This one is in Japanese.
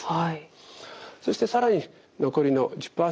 そして更に残りの１０％弱は重症。